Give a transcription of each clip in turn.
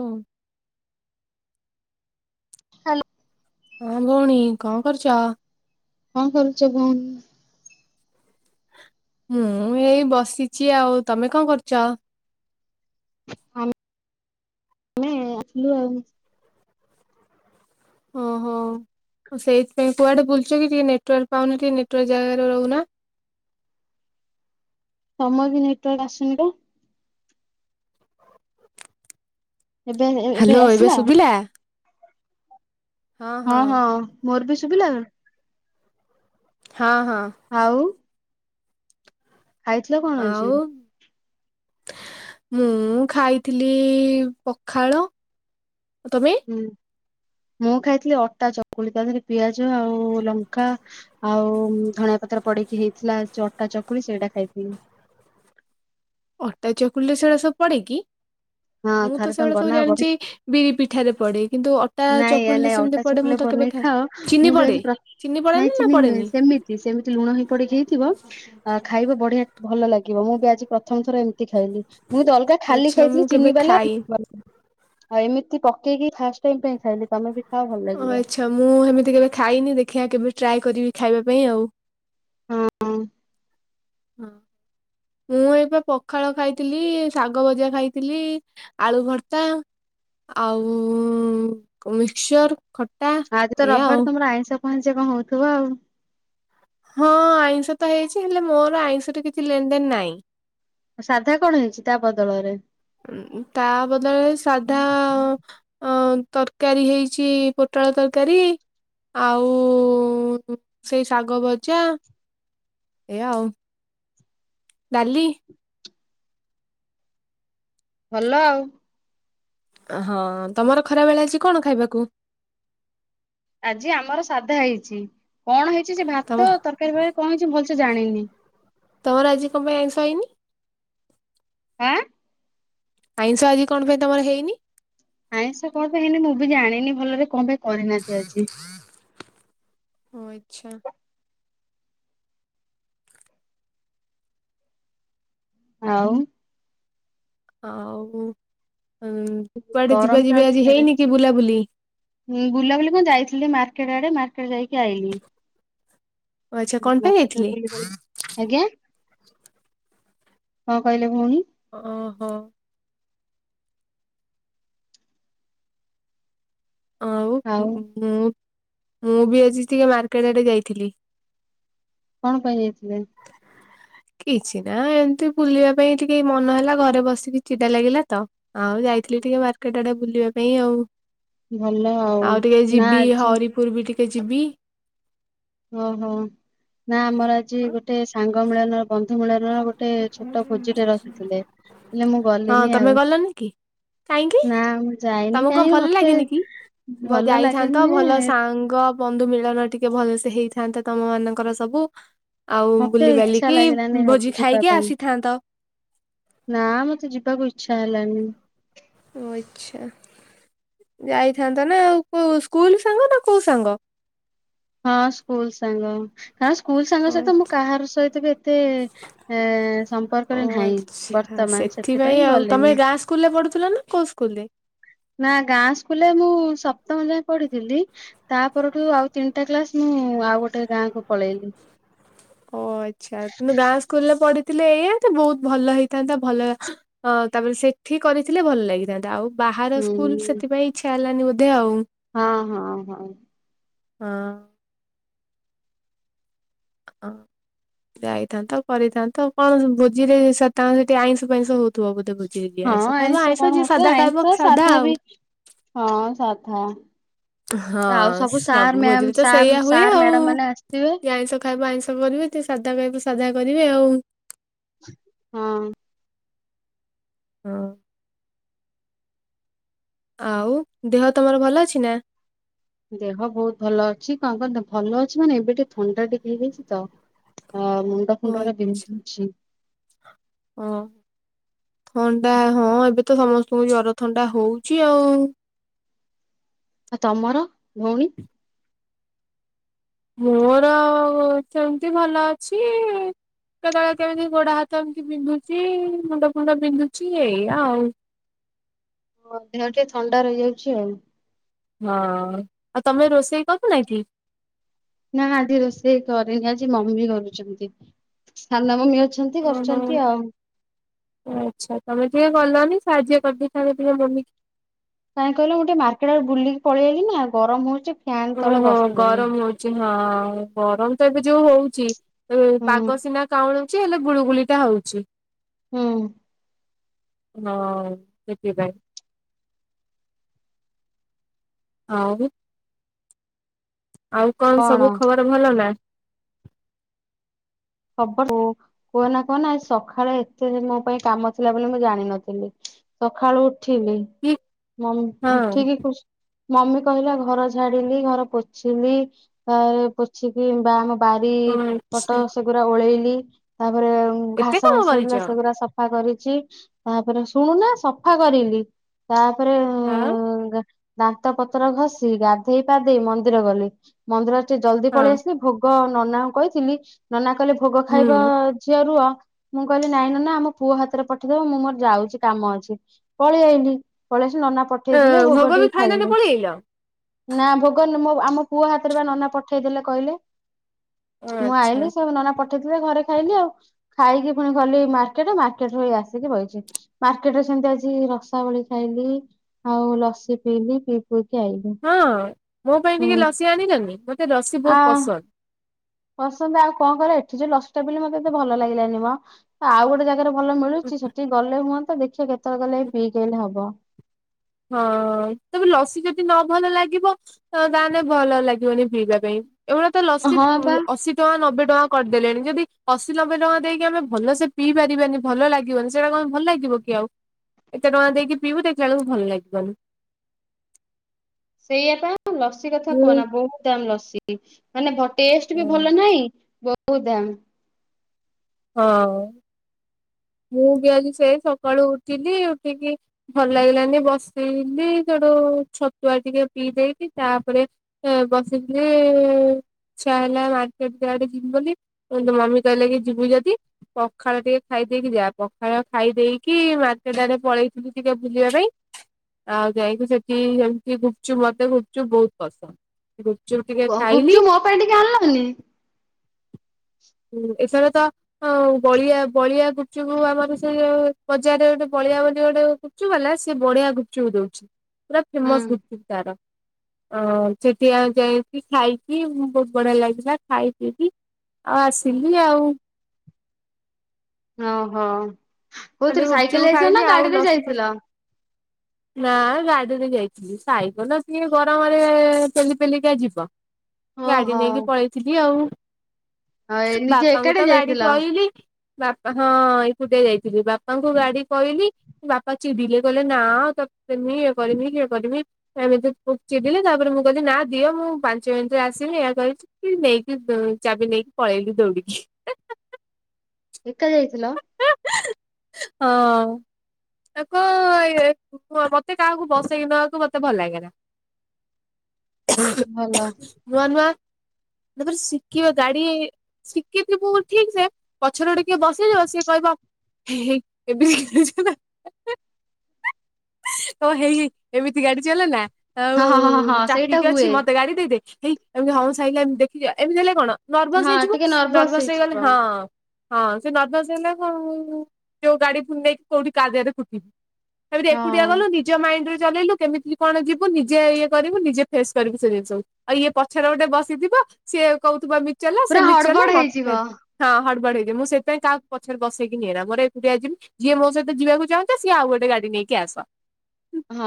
ଓ hello. ହଁ ଭଉଣୀ କଣ କରୁଛ? କଣ କରୁଛ ଭଉଣୀ? ମୁଁ ଏଇ ବସିଛି ଆଉ ତମେ କଣ କରୁଛ? ଆମେ ଏ ଆଇଲୁ ଆଉ। ଓହୋ ଓ ସେଇଥିପାଇଁ କୁଆଡ଼େ ବୁଲୁଚ କି ଟିକେ ନେଟୱାର୍କ ପାଉନି ଟିକେ ନେଟୱାର୍କ ଜାଗାରେ ରହୁନା। ତମର ବି ନେଟୱାର୍କର ଆସୁନି ବା। ଏବେ [unintelligible] ହ୍ୟାଲୋ ଏବେ ସୁଭିଲା? ହଁ ହଁ ମୋର ବି ଶୁଭିଲା? ହଁ ହଁ। ଆଉ ଖାଇଥିଲ କଣ? ଆଜି? ଆଉ ମୁଁ ଖାଇଥିଲି ପଖାଳ ତମେ? ହୁଁ ମୁଁ ଖାଇଥିଲି ଅଟା ଚକୁଳି ତା ଦେହରେ ପିଆଜ ଆଉ ଲଙ୍କା। ଆଉ ଧଣିଆ ପତ୍ର ପଡିକି ହେଇଥିଲା ଅଟା ଚକୁଳି ସେଇଟା ଖାଇଥିଲି। ଅଟା ଚକୁଳିରେ ସେଗୁଡା ସବୁ ପଡେ କିି ହଁ ମୁଁ ଥରେ ତ ତମେ ସେଗୁଡା ସବୁ ବନାଅ ବଢି ଜାଣିଛି ବିରି ପିଠାରେ ପଡେ କିନ୍ତୁ ଅ ନାଇଁ ୟା ନାଇଁ ଅଟା ଚକୁଳିରେ ବନେଇ ଖାଅ ଚିନି ମୁଁ ବି ପଡେ ଆଜି ପ୍ର ଚିନି ପଡେ ନାଇଁ ନା ନା ଚିନି ନୁହେଁ ପଡେନି ସେମିତି କି ସେମିତି ଲୁଣ ହିଁ ପଡିକି ହେଇଥିବ ଆ ଖାଇବ ବଢିଆ ଭଲ ଲାଗିବ ମୁଁ ବି ଆଜି ପ୍ରଥମ ଥର ଏମିତି ଖାଇଲି। ମୁଁ ତ ଅଲଗା ଖାଲି ଆଚ୍ଛା ମୁଁ ଖାଇଥିଲି କେବେ ଚିନି ବାଲା ଖାଇ [unintelligible] ଆଉ ଏମିତି ପକେଇକି ଫାଷ୍ଟ ଟାଇମ ପାଇଁ ଖାଇଲି ତମେ ବି ଖାଅ ଭଲ ଓ ଲାଗିବ। ଆଚ୍ଛା ମୁଁ ହେମିତି କେବେ ଖାଇନି ଦେଖିବା କେବେ ଟ୍ରାଏ କରିବି ଖାଇବା ପାଇଁ ଆଉ। ହଁ। ହଁ ମୁଁ ଏବେ ପଖାଳ ଖାଇଥିଲି ଶାଗ ଭଜା ଖାଇଥିଲି। ଆଳୁ ଭର୍ତା ଆଉ ମିକ୍ଚର। ଆଜି ତ ରବିବାର ତମର ଆଇଁଷ ପାଇସ କଣ ହଉଥିବ ଆଉ। ହଁ ଆଇଁଷ ତ ହେଇଛି ହେଲେ ମୋର ଆଇଁଷ ରେ କିଛି ଲେଣ ଦେଣ ନାହିଁ। ସାଧା କଣ ହେଇଛି ତା ବଦଳରେ? ତା ବଦଳରେ ସାଧା ଅ ତରକାରୀ ହେଇଛି ପୋଟାଳ ତରକାରୀ। ଆଉ ସେଇ ଶାଗ ଭଜା ଏଇଆ ଆଉ ଡାଲି। ଭଲ ଆଉ। ହଁ ତମର ଖରାବେଳେ ଆଜି କଣ ଖାଇବକୁ। ଆଜି ଆମର ସାଧା ହେଇଛି କଣ ହେଇଛି ସେ ତମ ଭାତ ତରକାରୀ ଫକାରୀ କଣ ହେଇଛି ଭଲସ ଜାଣିନି। ତୋର ଆଜି କଣ ପାଇଁ ଆଇଁଷ ହେଇନି? ଆଁ? ଆଇଁଷ ଆଜି କଣ ପାଇଁ ତମର ହେଇନି? ଆାଇଁଷ କଣ ପାଇଁ ହେଇନି ମୁଁ ବି ଜାଣିନି ଭଲରେ କଣ ପାଇଁ କରିନାହାନ୍ତି ଆଜି। ଓ ଆଚ୍ଛା। ଆଉ। ଆଉ ଅଁ କୁଆଡେ ଯିବା ଗରମ ଯିବା ଆଜି ହେଇନି କି ବୁଲାବୁଲି? ହଁ ବୁଲାବୁଲି କଣ ଯାଇଥିଲି ମାର୍କେଟ ଆଡେ ମାର୍କେଟ ଯାଇକି ଆଇଲିି। ଓ ଆଚ୍ଛା କଣ ପାଇଁ ଯାଇଥିଲେ? ବୁଲିବାଲି ଆଜ୍ଞା କଣ କହିଲେ ଭଉଣୀ? ଓହୋ। ଆଉ। ମୁଁ ମୁଁ ବି ଆଜି ଟିକେ ମାର୍କେଟ ଆଡେ ଯାଇଥିଲି। କଣ ପାଇଁ ଯାଇଥିଲେ? ଓେ କିଛି ନା ଏମତି ବୁଲିବା ପାଇଁ ଟିକେ ମନ ହେଲା ଘରେ ବସିକି ଚିଡା ଲାଗିଲା ତ। ଆଉ ଯାଇଥିଲି ଟିକେ ମାର୍କେଟ ଆଡେ ବୁଲିବା ପାଇଁ ଆଉ। ଭଲ ଆଉ ଟିକେ ନା ଯିବି ଆଜି ହରିପୁର ବି ଟିକେ ଯିବି। ଓହୋ ନା ଆମର ଆଜି ଗୋଟେ ସାଙ୍ଗ ମିଳନର ବନ୍ଧୁ ମିଳନର ଗୋଟେ ଟେ ଛୋଟ ଭୋଜିଟେ ରଖିଥିଲେ ହେଲେ ମୁଁ ହଁ ଗଲିନି ତମେ ଆଉ। ଗଲନି କି କାହିଁକି ନା ମୁଁ ଯାଇନି ତମକୁ କଣ କାହିଁକି ଭଲ ମତେ ଲାଗେନି କି ବ ଭଲ ଯାଇଥାନ୍ତ ଲାଗେନି ଭଲ ସାଙ୍ଗ ବନ୍ଧୁ ମିଳନ ଟିକେ ଭଲସେ ହେଇଥାନ୍ତା ତମ ମାନଙ୍କର ସବୁ। ଆଉ ମତେ ବୁଲି ଇଚ୍ଛା ବାଲିକି ଲାଗିଲାନି ଭୋଜି ହବ ଯିବା ଖାଇକି ପାଇଁ ଆସିଥାନ୍ତ। ନା ମତେ ଯିବାକୁ ଇଚ୍ଛା ହେଲାନି। ଓ ଇଛା ଯାଇଥାନ୍ତ ନା ଆଉ କୋଉ ସ୍କୁଲ ସାଙ୍ଗ ନା କୋଉ ସାଙ୍ଗ? ହଁ ସ୍କୁଲ ସାଙ୍ଗ କାରଣ ସ୍କୁଲ ସାଙ୍ଗ ଓ ସହିତ ମୁଁ ଆଚ୍ଛା କାହାର ସହିତ ବି ଏତେ ଏ ଓ ସମ୍ପର୍କରେ ନାହିଁ ଆଚ୍ଛା ବର୍ତ୍ତମାନ ସେଥିପାଇଁ ଗଲିନି। ସ୍କୁଲ ରେ ପଢୁଥିଲ ନା କୋଉ ସ୍କୁଲ ରେ? ନା ଗାଁ ସ୍କୁଲରେ ମୁଁ ସପ୍ତମ ଯାଏଁ ପଢିଥିଲି। ତା ପରଠୁ ଆଉ ତିନିଟା କ୍ଲାସ ମୁଁ ଆଉ ଗୋଟେ ଗାଁ କୁ ପଳେଇଲି। ଓ ଆଚ୍ଛା କିନ୍ତୁ ଗାଁ ସ୍କୁଲରେ ପଢିଥିଲେ ଏଇଆ ତ ବହୁତ ଭଲ ହେଇଥାନ୍ତା ଭଲ ଅ ତାପରେ ସେଠି କରିଥିଲେ ଭଲ ଲାଗିଥାନ୍ତା। ଆଉ ବାହାର ହୁଁ ସ୍କୁଲ ସେଥିପାଇଁ ଇଚ୍ଛା ହେଲାନି ବୋଧେ ଆଉ। ହଁ ହଁ ହଁ। ହଁ। ହଁ। ଯାଇଥାନ୍ତ କରିଥାନ୍ତ କଣ ଭୋଜିରେ ସେ ତ ଆଇଁଷ ଫାଇଁଷ ହଉ ତୁ ବୋଧେ ବୁଝେଇ କି ହଁ ଆଇଁଷ ଖାଇବ କଣ ଆଇଁଷ ଯିଏ ହଉଥିବ ସାଧା ଖାଇବ ଆଇଁଷ ସାଧା ବି ଆଉ। ହଁ ସାଧା। ହଁ ଆଉ ସାର୍ ସବୁ ମ୍ୟାମ୍ ଭୋଜିରେ ତ ସାର୍ ସେଇଆ ହୁଏ ସାର୍ ଆଉ ମ୍ୟାଡାମ ମାନେ ଆସିଥିବେ କିଏ ଆଇଁଷ? ଖାଇବ ଆଇଁଷ କରିବେ ଯିଏ ସାଧା ଖାଇବ ସାଧା କରିବେ ଆଉ। ହଁ। ହଁ। ଆଉ ଦେହ ତମର ଭଲ ଅଛି ନା? ଦେହ ବହୁତ ଭଲ ଅଛି କଁ କଣ ଭଲ ଅଛି ମାନେ ଏବେ ଟିକେ ଥଣ୍ଡା ଟିକେ ହେଇଚି ତ। ହ ମୁଣ୍ଡ ଓ ଫୁଣ୍ଡ ଟା ଆଚ୍ଛା ବିନ୍ଧୁଛି। ହଁ। ଥଣ୍ଡା ହଁ ଏବେ ତ ସମସ୍ତଙ୍କୁ ଜର ଥଣ୍ଡା ହଉଛି ଆଉ। ଆ ତମର ଭଉଣୀ। ମୋର ସେମିତି ଭଲ ଅଛି। କେତେଳେ କେମିତି ଗୋଡ ହାତ ଏମିତି ବିନ୍ଧୁଛି ମୁଣ୍ଡ ଫୁଣ୍ଡ ବିନ୍ଧୁଛି ଏଇଆ ଆଉ। [inaudible] ଟିକେ ଥଣ୍ଡା ରହିଯାଇଚି ଆଉ। ହଁ ଆଉ ତମେ ରୋଷେଇ କରିନା କି? ନା ନା ଆଜି ରୋଷେଇ କରିନି ଆଜି ମମି ବି କରୁଚନ୍ତି। ସାନ ମମି ଅଛନ୍ତି ଓହୋ କରୁଚନ୍ତି ଆଉ। ଆଚ୍ଛା ତମେ ଟିକେ ଗଲନି ସାହାଯ୍ୟ କରି ଦେଇଥାନ୍ତ ମମି କି। କାଇଁ କହିଲ ମୁଁ ଟିକେ ମାର୍କେଟ ଆଡେ ବୁଲି ପଳେଇଆଇଲି ନା ଗରମ ହଉଚି। ଓହୋ ଗରମ ହଉଛି ହଁ ଗରମ ତ ଏବେ ଯୋଉ ହଉଛି। ହେ ହୁଁ ପାଗ ସିନା କାଉଁଳିଛି ହେଲେ ଗୁଳୁଗୁଳିଟା ହଉଛି। ହୁଁ। ହଁ ସେଥିପାଇଁ। ଆ ହୁ। ଆଉ କଣ ସବୁ ଖବର ଭଲ ନା? ଖବର କୁ କୁହନା କୁହନା ସଖାଳେ ଏତେ ମୋ ପାଇଁ କାମ ଥିଲା ବୋଲି ମୁଁ ଜାଣିନଥିଲି। ସଖାଳୁ ଉଠିଲି କି ମମ୍ ହଁ। ଉଠିକି ଖୁସ୍ ମମି କହିଲା ଘର ଝାଡିଲି ଘର ପୋଛିଲି ତା ପୋଛିକି ବାହା ବାରି ପଟ ଆଛା ସେଗୁରା ଓଳେଇଲି ତାପରେ ଏତେ ଘାସ କାମ ମାସ କରିଛ ହେଇଥିଲା ସେଗୁରା ସପ୍ ସଫା କରିଛି ତାପରେ ଶୁଣୁ ନା ସଫା କରିଲି ତାପେରେ ଆଁ। ଦାନ୍ତ ପତ୍ର ଘଷି ଗାଧେଇ ପାଧେଇ ମନ୍ଦିର ଗଲି ମନ୍ଦିର ଟିକେ ଜଲଦି ହଁ ପଳେଇ ଆସିଲି। ଭୋଗ ନନାଙ୍କୁ କହିଥିଲି ନନା କହିଲେ ଭୋଗ ଖାଇବ ହୁଁ। ଝିଅ ରୁହ। ମୁଁ କହିଲି ନାଇଁ ନନା ଆମ ପୁଅ ହାତରେ ପଠେଇବ ମୁଁ ମୋର ଯାଉଛି କାମ ଅଛି। ପଳେଇ ଆଇଲିି ପଳେଇ ଆସି ନନା ଏ ପଠେଇଥିଲେ ଭୋଗ ବି ଟିକେ ଖାଇଲନି ଖାଇଲି। ପଳେଇଆଇଲ ନା ଭୋଗ ନୁମ ଆମ ପୁଅ ହାତରେ ବା ନନା ପଠେଇଦେଲେ କହିଲେ। ମୁଁ ଆଚ୍ଛା ଆଇଲିି ସବୁ ନନା ପଠେଇଥିଲେ ଘରେ ଖାଇଲି ଆଉ। ଖାଇକି ପୁଣି ଗଲି ମାର୍କେଟ ମାର୍କେଟରୁ ଏଇ ଆସିକି ବଇଚି। ମାର୍କେଟରେ ସେମିତି ଆଜି ରସାବଳି ଖାଇଲି ଆଉ ଲସି ପିଇଲି ପି ପିଇକି ଆଇଲି। ହଁ ମୋ ପାଇଁ ହୁଁ ଟିକେ ଲସି ଆଣିଚକି ମତେ ଲସି ଆ ବହୁତ ପସନ୍ଦ୍। ପସନ୍ଦ ଆଉ କଣ କରିବା ଏଠି ଯୋଉ ଲସିଟା ପିଇଲି ମତେ ଏତେ ଭଲ ଲାଗିଲାନି ମ ଆଉ ଗୋଟେ ଜାଗ୍ ସସ୍ତା ରେ ଭଲ ମିଳୁଛି ସେଠି ଗଲେ ହୁଅନ୍ତା ଦେଖିବା କେତେବେଳେ ଗଲେ ପିଇକି ଆଇଲେ ହବ। ହଁ ତେବେ ଲସି ଯଦି ନ ଭଲ ଲାଗିବ ତ ତାହେଲେ ଭଲ ଲାଗିବନି ପିଇବା ପାଇଁ। ଏଗୁରା ତ ଲସି ହଁ ପା ଅଶୀ ଟଙ୍କା ନବେ ଟଙ୍କା କରିଦେଲେଣି ଯଦି ଅଶୀ ନବେ ଟଙ୍କା ଦେଇକି ଆମେ ଭଲସେ ପିଇ ପାରିବାନି ଭଲ ଲାଗିବନି ସେଇରା କଣ ଭଲ ଲାଗିବ କି ଆଉ ଏତେ ଟଙ୍କା ଦେଇକି ପିଇବୁ ଦେଖିଲା ବେଳକୁ ଭଲ ଲାଗିବନି। ସେଇଆ ପା ଲସି କଥା ହୁଁ କୁହନା ବହୁତ୍ ଦାମ୍ ଲସି। ମାନେ ଭର୍ତୀ ଆସିଥିବେ ହୁଁ। ଭଲ ନାହିଁ ବହୁତ୍ ଦାମ୍। ହଁ। ମୁଁ ବି ଆଜି ସେ ସକାଳୁ ଉଠିଲି ଉଠିକି ଭଲ ଲାଗିଲାନି ବସଥିଲି ସେଟୁ ଛତୁଆ ଟିକେ ପିଇ ଦେଇକି ତାପରେ ତା ବସିିକି ଇଛା ହେଲା ମାର୍କେଟଆଡେ ଯିବି ବୋଲି କଇଲେ ମମି କହିଲେ କି ଯିବୁ ଯଦି ପଖାଳ ଟିକେ ଖାଇ ଦେଇକି ଯାଆ ପଖାଳ ଖାଇ ଦେଇକି ମାର୍କେଟେ ଆଡେ ପଳେଇଥିଲି ଟିକେ ବୁଲିବା ପାଇଁ। ଆଉ ଯାଇକି ସେଠି ଯେମିତି ଗୁପ୍ ଚୁପ୍ ମତେ ଗୁପ୍ ଚୁପ୍ ବହୁତ୍ ପସନ୍ଦ। ଗୁପ୍ ଚୁପ୍ କତି କି କଣ କରଚୁ ମୋ ପାଇଁ ଟିକେ ଆଣଲନି। ହୁଁ ଏ ସର ତ ହଁ ବଳିଆ ବଳିଆ ଗୁପ୍ ଚୁପ୍ ଆମର ସେଇ ବଜାରରେ ବଳିଆ ବୋଲି ଗୋଟେ ଗୁପ୍ ଚୁପ୍ ବାଲା ସିଏ ବଢିଆ ଗୁପ୍ ଚୁପ୍ ଦଉଛି ପୁରା ହୁଁ ଫେମସ ଗୁପ୍ ଚୁପ୍ ତାର। ଅ ସେଠି ଆଉ ଯାଇକି ଖାଇକି ବହୁତ ବଢିଆ ଲାଗିଲା ଖାଇ ପିଇକି ଆ ଆସିଲି ଆଉ। ହଁ ହ ଖାଲି କୋଉଥିରେ ସାଇକେଲ୍‌ ଗୁପଚୁପ୍ ଯାଇଥିଲ ଖାଇଲି ନା ଆଉ ଗାଡିରେ ଲସି ଯାଇଥିଲ। [unintelligible] ନା ଗାଡିରେ ଯାଇଥିଲି ସାଇକଲ କିଏ ଗରମରେ ପେଲିପେଲିକା ଯିବ। ଗାଡି ଓହୋ। ନେଇକି ପଳେଇଥିଲି ଆଉ। ଏ ନିଜେ ବାପାଙ୍କୁ ଏକାଟିଆ ତ ଗାଡି ଯାଇଥିଲ? କଇଲି ବାପା ହଁ ଏଇକୁଟିଆ ଯାଇ ଯି ବାପାଙ୍କୁ ଗାଡି କହିଲି। ବାପା ଚିଡିଲେ କଲେ ନା ତତେମି ଇଏ କରିମି କିଏ କରିମି ଏମିତି ପୋ ଚିିଡିଲେ ତାପରେ ମୁଁ କିଲି ନା ଦିଅ ମୁଁ ପାଞ୍ଚ ମିନିଟିରେ ଆସିଲି ଏୟା କହିଛି। କି ନେଇକି ଚାବି ନେଇକି ପଳେଇଲି ଦୌଡିକି। ଏକା ଯାଇଥିଲ। ହଁ ଆକୁ ଏ ମତେ କାହାକୁ ବସେଇକି ନବାକୁ ମତ ମତେ ଭଲ ଲାଗେନା। ଭଲ। ନୂଆ ନୂଆ ତାପରେ ଶିଖିବ ଗାଡି ଶିଖିଥିବୁ କି ସେ ପଛରେ ଗୋଟେ କିଏ ବସ [unintelligible] ସଏ କହିବ କେବେ ତ ହେଇ ଏମିତି ଗାଡି ଚାଲେ ନା। ଆଉ ହଁ ହଁ ହଁ ହଁ ସେଇଟା ଟ୍ରାଫିକ୍ ଅଛି ହୁଏ ମତେ ଗାଡି ଦେଇଦେ ହେଇ ଏମିତି [unintelligible] ଦେଖି ଏମିତି ହେଲେ କଣ ନର୍ଭସ ହଁ ହେଇଯିବ ଟିକେ ନର୍ଭସ ହେଇଗଲେ ହେଇଯିବ। ହଁ। ହଁ ସେ ନର୍ଭସ ହେଲା କଣ ଯୋଉ ଗାଡି ଫୁ ନେଇକି କୋଉଠି କା ଦିଅରେ କୁଟିବି। ତାପରେ ଏକୁଟିଆ ହଁ। ଗଲୁ ନିଜ ମାଇଣ୍ଡ ରେ ଚଲେଇଲୁ କେମିତି କଣ ଯିବୁ ନିଜେ ଇଏ କରିବୁ ନିଜେ ଫେସ୍‌ କରିବୁ ସେ ଜିନିଷକୁ ଆଉ ଇଏ ପଛରେ ଗୋଟେ ବସିଥିବ ସିଏ କହୁଥିବ ଏମିତି ଚଲା ପୁରା ସେମିତି ଚଲା ହଡବଡ ହେଇଯିବ। ମତେ ହଁ ହଡବଡ ହେଇ ଯିବି ମୁଁ ସେ କାଇଁ କାହାକୁ ପଛରେ ବସେଇକି ନିଏନା, ମୋର ଏକୁଡିଆ ଯିବି। ଯିଏ ମୋ ସହିତ ଯିବାକୁ ଚାହୁଁଛ ସିଏ ଆଉ ଗୋଟେ ଗାଡି ନେଇକି ଆସ। ହଁ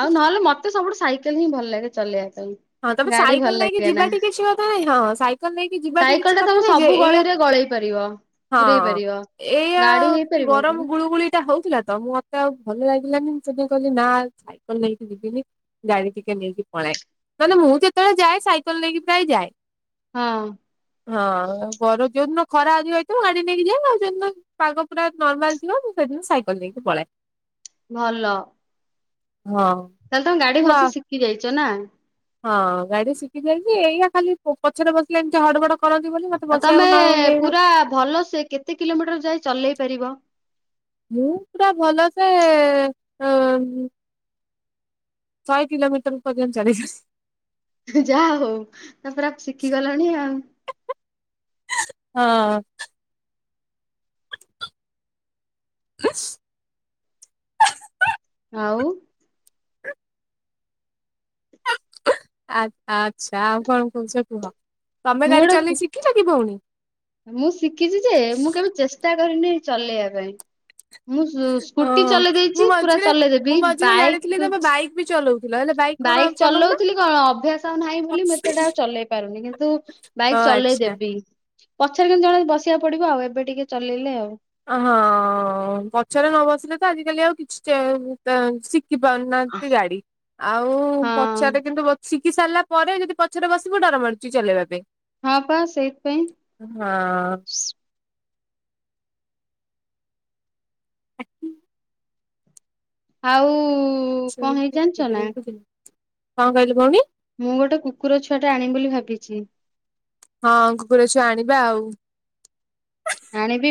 ଆଉ ନହେଲେ ମତେ ସବୁଠୁ ସାଇକେଲ ହିଁ ଭଲ ଲାଗେ ଚଲେଇବା ପାଇଁ। ହଁ ତାପ ଗାଡି ସାଇକେଲ ଭଲ ନେଇକି ଲାଗେ ନା ଯିବାଠି କିଛି କଥା ନାଇଁ ହଁ ସାଇକେଲ ନେଇକି କି ଯିବାଠି ସାଇକେଲ କିଛି ଟା କଥା ତମେ ନାଇଁ ଯେ ସବୁ ଏଇଆ ଗଳିରେ ଗଳେଇ ପାରିବ। ପୁରେଇ ହଁଅ ପାରିବ ଏଇଆ ଗାଡି ହେଇପାରିବ କି ଗରମ ଗୁଳୁ ଗୁଳିଟା ହଉଥିଲା ତ ମୋ ତେ ଆଉ ଭଲ ଲାଗିଲାନି, ମୁଁ ସେଥିପାଇଁ କହିଲି ନା ସାଇକେଲ ନେଇକି ଯିବିନି ଗାଡି ଟିକେ ନେଇକି ପଳାଏ। ନହେନ ମୁଁ ଯେତେବେଳେ ଯାଏ ସାଇକେଲ ନେଇକି ପ୍ରାୟ ଯାଏ। ହଁ। ହଁ ଗରମ ଯୋଉଦନ ଖରା ଅଧିକ ହେଇଥିବ ଗାଡି ନେଇକି ଯାଏ ଆଉ ଯୋଉଦନ ପାଗ ପୁରା ନର୍ମାଲ ଥିବ ମୁଁ ସେଦିନ ସାଇକେଲ ନେଇକି ପଳାଏ। ଭଲ। ହଁ। ତାହେଲେ ତମେ ଗାଡି ତୁ ଆ ଭଲସେ ଶିଖି ଯାଇଛ ନା? ହଁ ଗାଡି ଶିଖି ଯାଇଛି ଏଇଆ ଖାଲି ପୁ-ପଛରେ ବସିଲେ ଏମିତି ହଡ ବଡ ଆଉ ତମେ ପୁରା ଭଲସେ କେତେ କିଲୋମିଟର ଯାଇ ଚଲେଇ ପାରିବ? ମୁଁ ପୁରା ଭଲସେ ଏ ଶହେ କିଲୋମିଟର ପର୍ଯ୍ୟନ୍ତ ଚଲେଇ ପାରିବି ଯାହା ହଉ ତମେ ପୁରା ଶିଖିଗଲଣି ଆଉ! ହଁ। ଉଁମ୍ସ୍ ଆଉ ଆ ଆଚ୍ଛା ଆଉ କଣ କହୁଛ କୁହ? ତମେ ମୁଁ ଗାଡି ଗୋଟେ କୁ ଚଲେଇ ଶି ଖିଚକି ଭଉଣୀ। ମୁଁ ଶିଖିଚି ଯେ ମୁଁ କେବେ ଚେଷ୍ଟା କରିନି ଚଲେଇବା ପାଇଁ। ମୁଁ ସୁ-ସ୍କୁଟି ଚଲେଇ ଓହୋ ମୁଁ ଦେଇଚି ପୁରା ମଝିରେ ମୁଁ ଚଲେଇଦେବି। ମଝିରେ ଜାଣିଥିଲି ବାଇକ୍ ତମେ ବାଇକ୍ ବି ଚଲଉଚି ଥିଲ ହେଲେ କଣ ବାଇକ୍ ଆଉ ଚଲଉନ? ଚଲଉଥିଲି କଣ ଅଭ୍ୟାସ ଆଉ ନାହିଁ ବୋଲି ମୁଁ ଏତେଟା ଆଉ ଓ ଚଲେଇ ପାରୁନି କିନ୍ତୁ ବାଇକ୍ ଆଚ୍ଛା। ଚଲେଇଦେବି ପଛରେ କିନ୍ତୁ ଜଣେ ବସିବାକୁ ପଡିବ ଆଉ ଏବେ ଟିକେ ଚଲେଇଲେ ଆଉ। ଅ ହଁ ପଛରେ ନ ବସିଲେ ତ ଆଜିିକାଲି ଆଉ କିଛି ଚେ ଚେ ସିଖ୍ ଖି ପାରୁନାହାନ୍ତି ଗାଡି ଆଉ ହଁ ପଛରେ କିନ୍ତୁ ବ ଶିଖି ସାରିଲା ପରେ ଯଦି ପଛରେ ବସିବ ଡର ମାଡୁଚି ଚଲେଇବା ପାଇଁ। ହଁ ପା ସେଇଥିପାଇଁ। ହଁ। ଆଉ କଣ ହେଇଛି [unintelligible] ଜାଣିଛ ନା କ କହିଲେ ଭଉଣୀ? ମୁଁ ଗୋଟେ କୁକୁର ଛୁଆ ଟେ ଆଣିବି ବୋଲି ଭାବିଛି। ହଁ କୁକୁର ଛୁଆ ଆଣିବା ଆଉ। ଆଣିବି